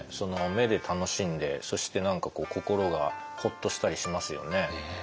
目で楽しんでそして何か心がホッとしたりしますよね。